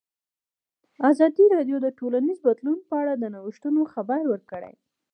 ازادي راډیو د ټولنیز بدلون په اړه د نوښتونو خبر ورکړی.